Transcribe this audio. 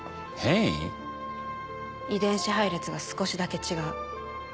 遺伝子配列が少しだけ違う。